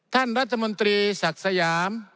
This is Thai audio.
ท่านรัฐมนตรีศักดิ์สยาม